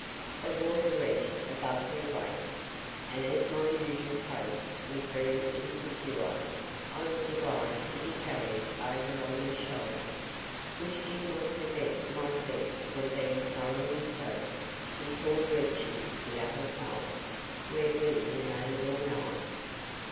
The water reached above their waists, and as my usual post was very insecure, I was obliged to be carried over on their shoulders, which did not prevent my feet from being thoroughly soaked before reaching the other side, where we remained all night.